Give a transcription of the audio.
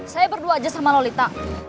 saya berdua aja sama lolita